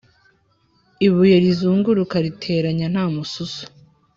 ibuye rizunguruka riteranya nta mususu